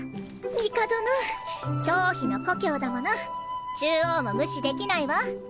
帝の寵妃の故郷だもの中央も無視できないわ。